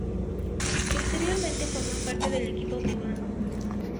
Posteriormente formó parte del equipo Bribón.